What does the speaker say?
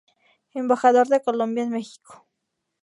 Embajador de Colombia en Mexico.